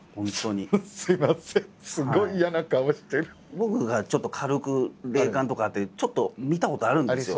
僕がちょっと軽く霊感とかあってちょっと見たことあるんですよ。